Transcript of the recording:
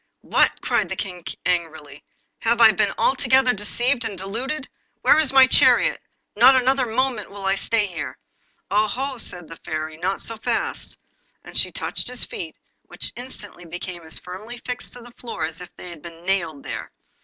'What!' cried the King angrily, 'have I been altogether deceived and deluded? Where is my chariot? Not another moment will I stay here.' 'Oho,' said the Fairy, 'not so fast.' And she touched his feet, which instantly became as firmly fixed to the floor as if they had been nailed there.